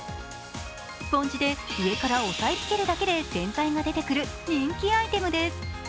スポンジで上から押さえつけるだけで洗剤が出てくる人気アイテムです。